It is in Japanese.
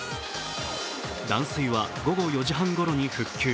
断水は午後４時半ごろに復旧。